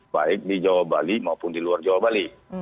baik di jawa bali maupun di luar jawa bali